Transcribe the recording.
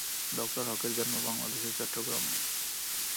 ডঃ হকের জন্ম বাংলাদেশের চট্টগ্রামে।